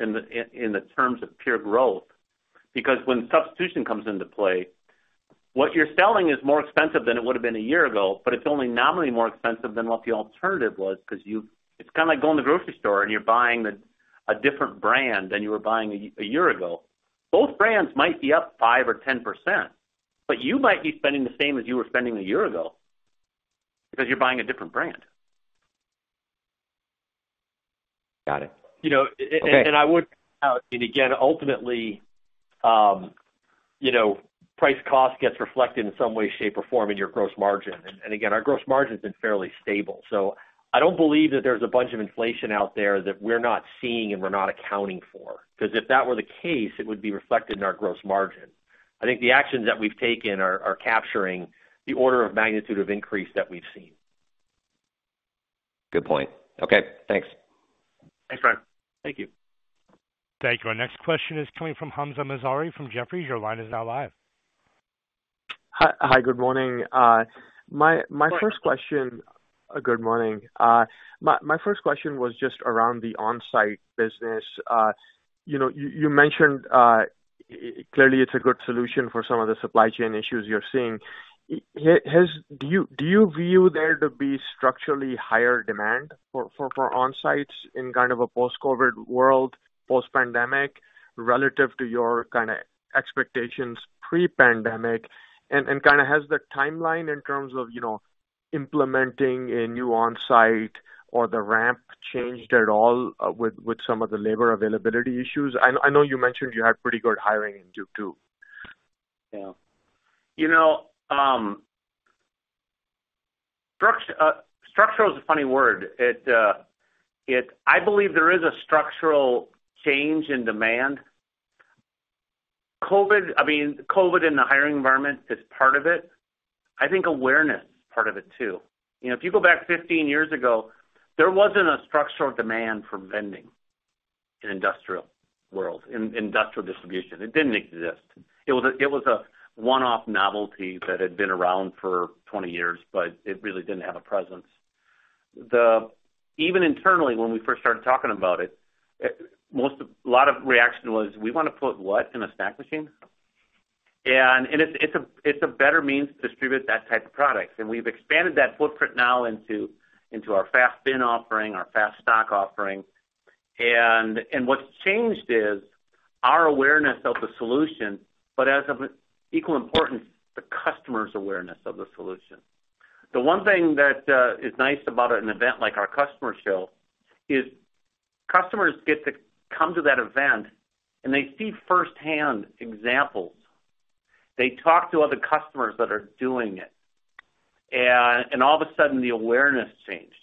in the terms of pure growth, because when substitution comes into play, what you're selling is more expensive than it would have been a year ago, but it's only nominally more expensive than what the alternative was because you, it's kind of like going to the grocery store and you're buying a different brand than you were buying a year ago. Both brands might be up 5% or 10%, but you might be spending the same as you were spending a year ago because you're buying a different brand. Got it. You know, a-and I would- Again, ultimately, you know, price cost gets reflected in some way, shape, or form in your gross margin. Again, our gross margin's been fairly stable. I don't believe that there's a bunch of inflation out there that we're not seeing and we're not accounting for. Cause if that were the case, it would be reflected in our gross margin. I think the actions that we've taken are capturing the order of magnitude of increase that we've seen. Good point. Okay. Thanks. Thanks, Ryan. Thank you. Thank you. Our next question is coming from Hamzah Mazari, from Jefferies. Your line is now live. Hi. Good morning. My first question- Good morning. Good morning. My first question was just around the on-site business. You know, you mentioned clearly it's a good solution for some of the supply chain issues you're seeing. Do you view there to be structurally higher demand for on-sites in kind of a post-COVID world, post-pandemic, relative to your kind of expectations pre-pandemic? Has the timeline in terms of, you know, implementing a new on-site or the ramp changed at all, with some of the labor availability issues? I know you mentioned you had pretty good hiring in Q2. Yeah. You know, structural is a funny word. I believe there is a structural change in demand. COVID, I mean, COVID in the hiring environment is part of it. I think awareness is part of it too. You know, if you go back 15 years ago, there wasn't a structural demand for vending in industrial world, in industrial distribution. It didn't exist. It was a one-off novelty that had been around for 20 years, but it really didn't have a presence. Even internally, when we first started talking about it, a lot of reaction was, We wanna put what in a snack machine? It's a better means to distribute that type of product. We've expanded that footprint now into our FASTBin offering, our FASTStock offering. What's changed is our awareness of the solution, but as of equal importance, the customer's awareness of the solution. The one thing that is nice about an event like our customer show is customers get to come to that event, and they see firsthand examples. They talk to other customers that are doing it. All of a sudden, the awareness changed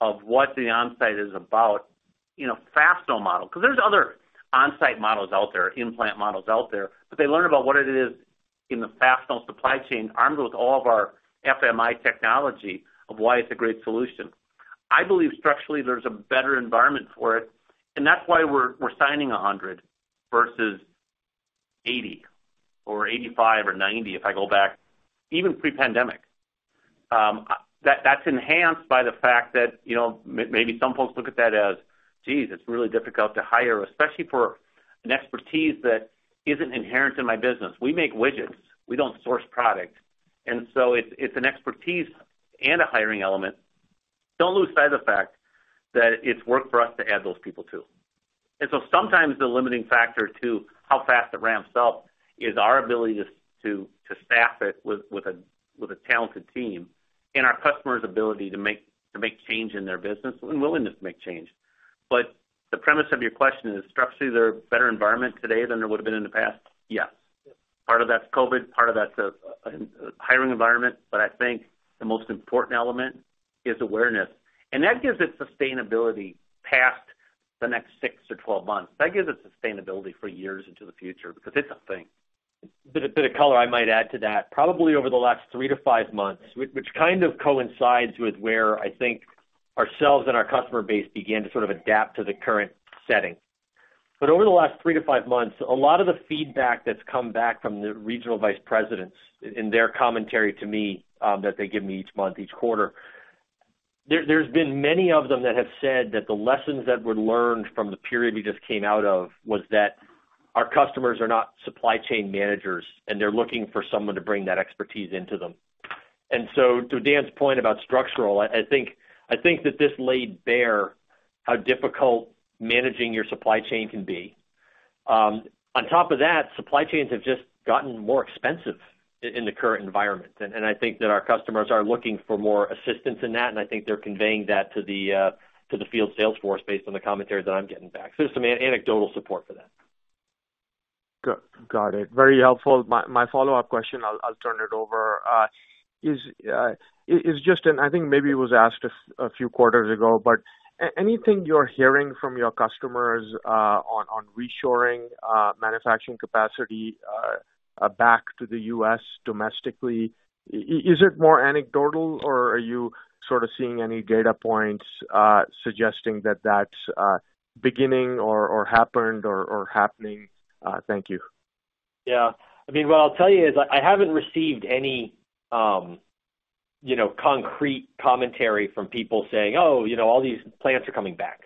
of what the on-site is about, you know, Fastenal model, cause there's other on-site models out there, implant models out there, but they learn about what it is in the Fastenal supply chain, armed with all of our FMI technology, of why it's a great solution. I believe structurally, there's a better environment for it, and that's why we're signing 100 versus 80 or 85 or 90 if I go back even pre-pandemic. That's enhanced by the fact that, you know, maybe some folks look at that as, geez, it's really difficult to hire, especially for an expertise that isn't inherent in my business. We make widgets. We don't source product. It's an expertise and a hiring element. Don't lose sight of the fact that it's work for us to add those people, too. Sometimes the limiting factor to how fast it ramps up is our ability to staff it with a talented team and our customers' ability to make change in their business and willingness to make change. The premise of your question is, structurally, is there a better environment today than there would've been in the past? Yes. Part of that's COVID, part of that's a hiring environment, but I think the most important element is awareness. That gives it sustainability past the next six-12 months. That gives it sustainability for years into the future because it's a thing. A bit of color I might add to that. Probably over the last three to five months, which kind of coincides with where I think ourselves and our customer base began to sort of adapt to the current setting. Over the last three to five months, a lot of the feedback that's come back from the regional vice presidents in their commentary to me, that they give me each month, each quarter, there's been many of them that have said that the lessons that were learned from the period we just came out of was that our customers are not supply chain managers, and they're looking for someone to bring that expertise into them. To Dan's point about structural, I think that this laid bare how difficult managing your supply chain can be. On top of that, supply chains have just gotten more expensive in the current environment. I think that our customers are looking for more assistance in that, and I think they're conveying that to the field sales force based on the commentary that I'm getting back. There's some anecdotal support for that. Got it. Very helpful. My follow-up question, I'll turn it over, is just an I think maybe it was asked a few quarters ago, but anything you're hearing from your customers on reshoring manufacturing capacity back to the U.S. domestically, is it more anecdotal, or are you sort of seeing any data points suggesting that that's beginning or happened or happening? Thank you. Yeah. I mean, what I'll tell you is I haven't received any, you know, concrete commentary from people saying, Oh, you know, all these plants are coming back.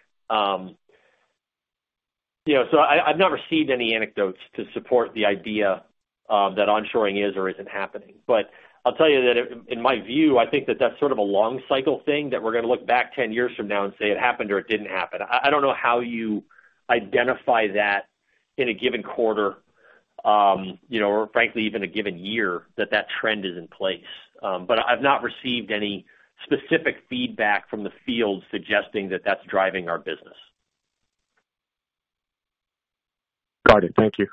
You know, I've not received any anecdotes to support the idea that onshoring is or isn't happening. I'll tell you that in my view, I think that that's sort of a long cycle thing that we're gonna look back 10 years from now and say it happened or it didn't happen. I don't know how you identify that in a given quarter. You know, or frankly, even a given year that that trend is in place. I've not received any specific feedback from the field suggesting that that's driving our business. Got it. Thank you.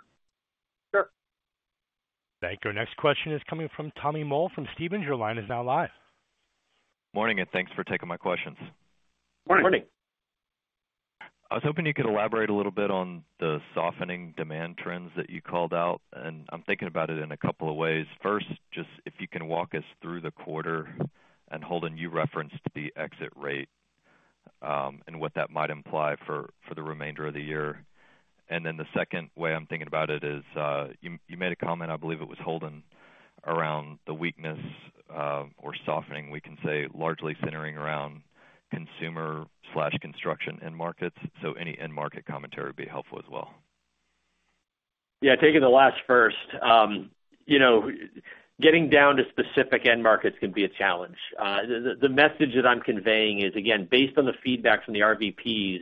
Sure. Thank you. Next question is coming from Tommy Moll from Stephens. Your line is now live. Morning, and thanks for taking my questions. Morning. Morning. I was hoping you could elaborate a little bit on the softening demand trends that you called out, and I'm thinking about it in a couple of ways. First, just if you can walk us through the quarter and Holden, you referenced the exit rate, and what that might imply for the remainder of the year. Then the second way I'm thinking about it is, you made a comment, I believe it was Holden, around the weakness or softening, we can say largely centering around consumer construction end markets. Any end market commentary would be helpful as well. Yeah, taking the last first. You know, getting down to specific end markets can be a challenge. The message that I'm conveying is, again, based on the feedback from the RVPs,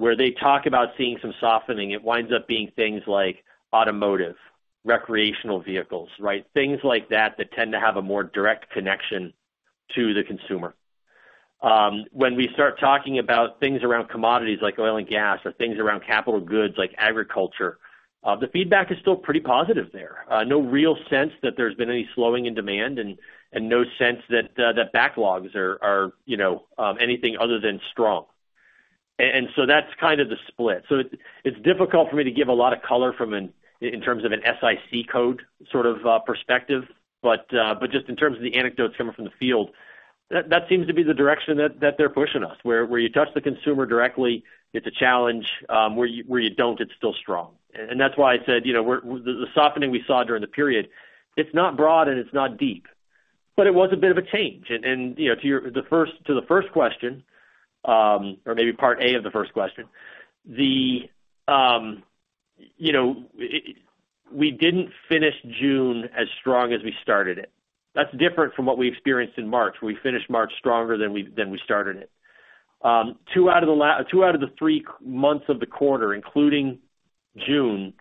where they talk about seeing some softening. It winds up being things like automotive, recreational vehicles, right? Things like that tend to have a more direct connection to the consumer. When we start talking about things around commodities like oil and gas, or things around capital goods like agriculture, the feedback is still pretty positive there. No real sense that there's been any slowing in demand and no sense that that backlogs are, you know, anything other than strong. That's kind of the split. It's difficult for me to give a lot of color from an. In terms of an SIC code sort of perspective. Just in terms of the anecdotes coming from the field, that seems to be the direction that they're pushing us, where you touch the consumer directly, it's a challenge, where you don't, it's still strong. That's why I said, you know, the softening we saw during the period, it's not broad and it's not deep, but it was a bit of a change. You know, to the first question, or maybe part A of the first question, you know, we didn't finish June as strong as we started it. That's different from what we experienced in March. We finished March stronger than we started it. Two out of the three months of the quarter, including June,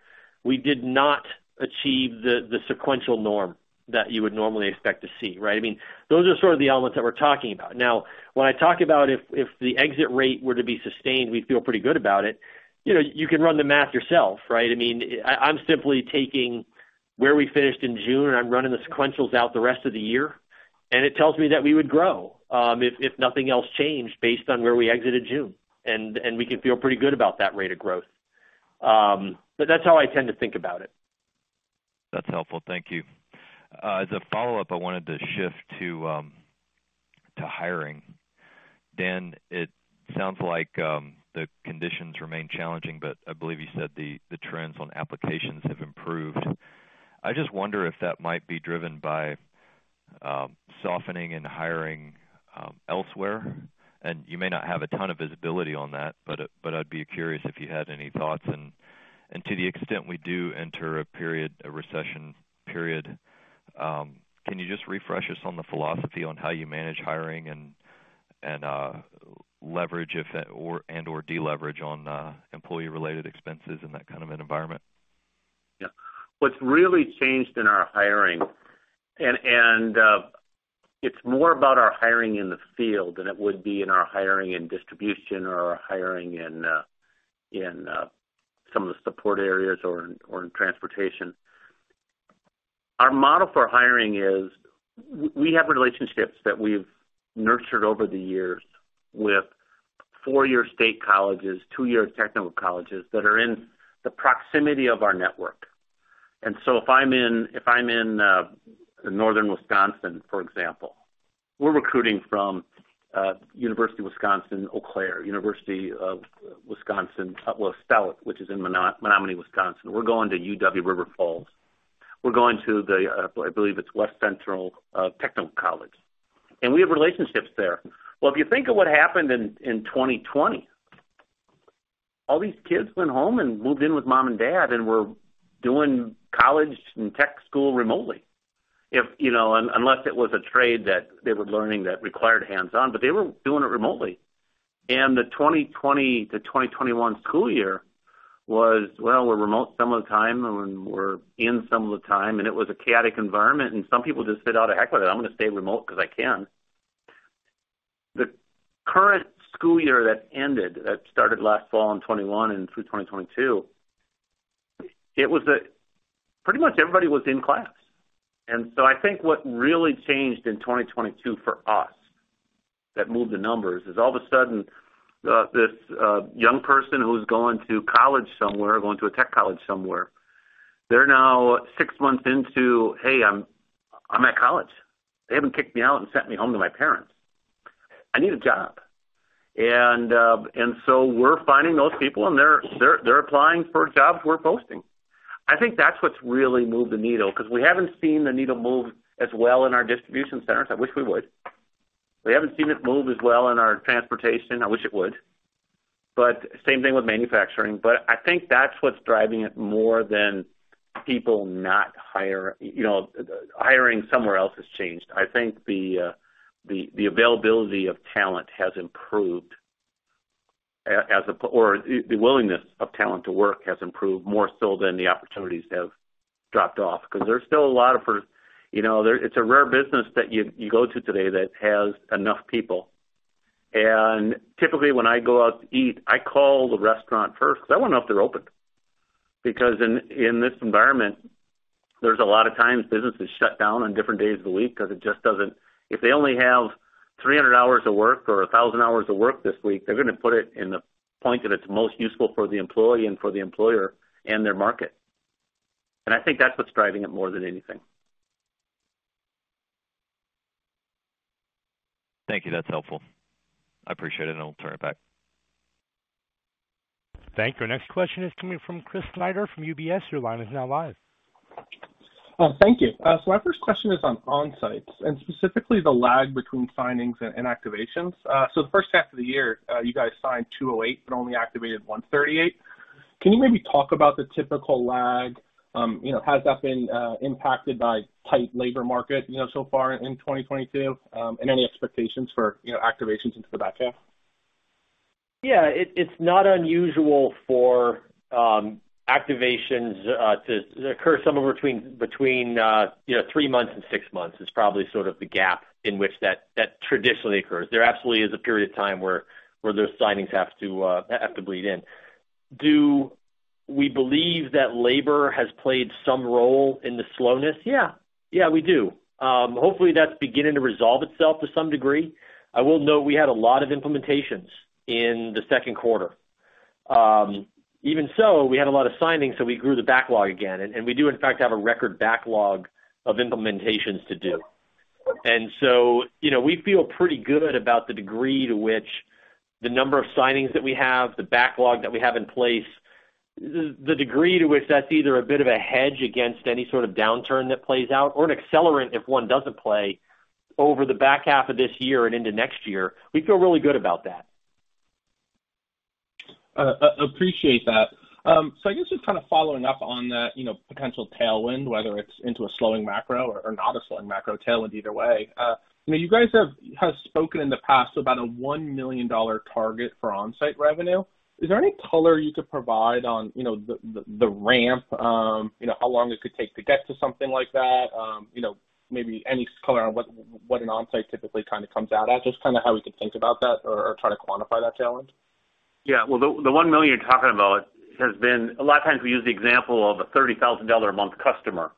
we did not achieve the sequential norm that you would normally expect to see, right? I mean, those are sort of the elements that we're talking about. Now, when I talk about if the exit rate were to be sustained, we feel pretty good about it. You know, you can run the math yourself, right? I mean, I'm simply taking where we finished in June, and I'm running the sequentials out the rest of the year, and it tells me that we would grow, if nothing else changed based on where we exited June. We can feel pretty good about that rate of growth. But that's how I tend to think about it. That's helpful. Thank you. As a follow-up, I wanted to shift to hiring. Dan, it sounds like the conditions remain challenging, but I believe you said the trends on applications have improved. I just wonder if that might be driven by softening and hiring elsewhere. You may not have a ton of visibility on that, but I'd be curious if you had any thoughts. To the extent we do enter a period, a recession period, can you just refresh us on the philosophy on how you manage hiring and leverage or and/or deleverage on employee related expenses in that kind of an environment? Yeah. What's really changed in our hiring, and it's more about our hiring in the field than it would be in our hiring in distribution or our hiring in some of the support areas or in transportation. Our model for hiring is we have relationships that we've nurtured over the years with four-year state colleges, two-year technical colleges that are in the proximity of our network. If I'm in northern Wisconsin, for example, we're recruiting from University of Wisconsin-Eau Claire, University of Wisconsin-Stout, which is in Menomonie, Wisconsin. We're going to UW-River Falls. We're going to the, I believe it's Western Technical College. We have relationships there. Well, if you think of what happened in 2020, all these kids went home and moved in with mom and dad and were doing college and tech school remotely. If, you know, unless it was a trade that they were learning that required hands-on, but they were doing it remotely. The 2020 to 2021 school year was, well, we're remote some of the time and we're in some of the time, and it was a chaotic environment, and some people just said, Oh, the heck with it. I'm gonna stay remote cause I can. The current school year that ended, that started last fall in 2021 and through 2022, it was pretty much everybody was in class. I think what really changed in 2022 for us that moved the numbers is all of a sudden, this young person who's going to college somewhere, going to a tech college somewhere, they're now six months into, Hey, I'm at college. They haven't kicked me out and sent me home to my parents. I need a job. We're finding those people, and they're applying for jobs we're posting. I think that's what's really moved the needle, cause we haven't seen the needle move as well in our distribution centers. I wish we would. We haven't seen it move as well in our transportation. I wish it would. But same thing with manufacturing, but I think that's what's driving it more than people not hiring, you know, hiring somewhere else has changed. I think the availability of talent has improved. Or the willingness of talent to work has improved more so than the opportunities have dropped off. Cause there's still a lot. You know, it's a rare business that you go to today that has enough people. Typically, when I go out to eat, I call the restaurant first because I wanna know if they're open. Because in this environment, there's a lot of times businesses shut down on different days of the week because it just doesn't. If they only have 300 hours of work or 1,000 hours of work this week, they're gonna put it in the point that it's most useful for the employee and for the employer and their market. I think that's what's driving it more than anything. Thank you. That's helpful. I appreciate it, and I'll turn it back. Thank you. Our next question is coming from Chris Snyder from UBS. Your line is now live. Oh, thank you. My first question is on on-site and specifically the lag between signings and activations. The first half of the year, you guys signed 208 but only activated 138. Can you maybe talk about the typical lag? You know, has that been impacted by tight labor market, you know, so far in 2022? Any expectations for, you know, activations into the back half? Yeah. It's not unusual for activations to occur somewhere between you know, three months and six months, is probably sort of the gap in which that traditionally occurs. There absolutely is a period of time where those signings have to bleed in. Do we believe that labor has played some role in the slowness? Yeah. We do. Hopefully, that's beginning to resolve itself to some degree. I will note we had a lot of implementations in the second quarter. Even so, we had a lot of signings, so we grew the backlog again. We do in fact have a record backlog of implementations to do. you know, we feel pretty good about the degree to which the number of signings that we have, the backlog that we have in place, the degree to which that's either a bit of a hedge against any sort of downturn that plays out or an accelerant if one doesn't play over the back half of this year and into next year, we feel really good about that. Appreciate that. I guess just kind of following up on that, you know, potential tailwind, whether it's into a slowing macro or not a slowing macro tailwind either way. I mean, you guys have spoken in the past about a $1 million target for on-site revenue. Is there any color you could provide on, you know, the ramp? You know, how long it could take to get to something like that? You know, maybe any color on what an on-site typically kind of comes out at? Just kind of how we could think about that or try to quantify that challenge. Yeah. Well, the $1 million you're talking about has been. A lot of times we use the example of a $30,000 a month customer.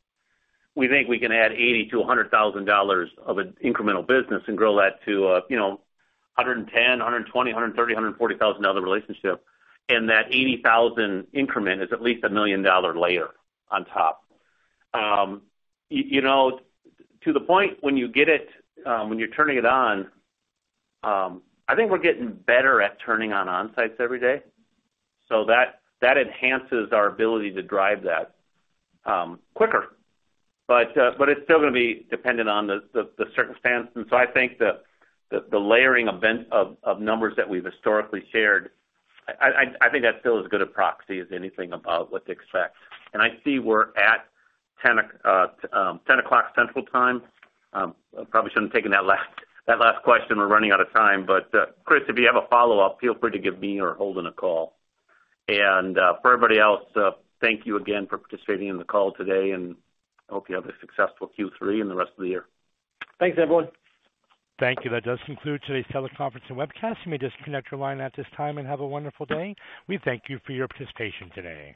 We think we can add $80,000-$100,000 of an incremental business and grow that to, you know, a $110,000, $120,000, $130,000, $140,000 relationship. That $80,000 increment is at least a $1 million layer on top. You know, to the point when you get it, when you're turning it on, I think we're getting better at turning on on-sites every day. That enhances our ability to drive that quicker. It's still gonna be dependent on the circumstance. I think the layering of numbers that we've historically shared. I think that's still as good a proxy as anything about what to expect. I see we're at 10:00 AM Central Time. I probably shouldn't have taken that last question. We're running out of time. Chris, if you have a follow-up, feel free to give me or Holden a call. For everybody else, thank you again for participating in the call today, and I hope you have a successful Q3 and the rest of the year. Thanks, everyone. Thank you. That does conclude today's teleconference and webcast. You may disconnect your line at this time and have a wonderful day. We thank you for your participation today.